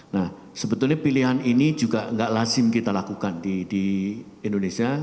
nah sebetulnya pilihan ini juga nggak lazim kita lakukan di indonesia